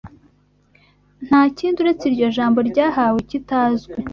Ntakindi uretse iryo jambo ryahawe ikitazwi